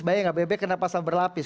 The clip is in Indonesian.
bayang gak bebek kena pasal berlapis